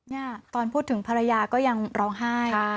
เนี่ยตอนพูดถึงภรรยาก็ยังร้องไห้